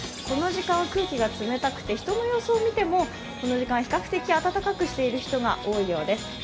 この時間は空気が冷たくて人の様子を見ても、この時間、比較的暖かくしている人が多いようです。